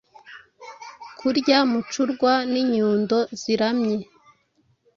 Kurya mucurwa n'inyundo ziramye!